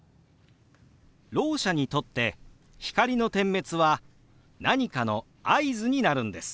ろう者にとって光の点滅は何かの合図になるんです。